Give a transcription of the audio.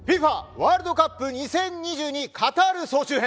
ワールドカップ２０２２カタール総集編。